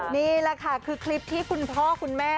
นี่แหละค่ะคือคลิปที่คุณพ่อคุณแม่